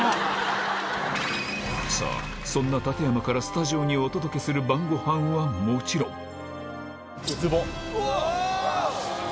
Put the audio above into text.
さあ、そんな館山からスタジオにお届けする晩ごはんはもちろん。